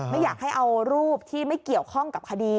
ไม่อยากให้เอารูปที่ไม่เกี่ยวข้องกับคดี